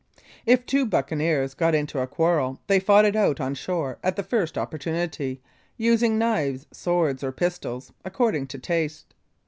If two buccaneers got into a quarrel they fought it out on shore at the first opportunity, using knives, swords, or pistols, according to taste.